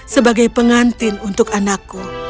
sebagai pengantin untuk anakku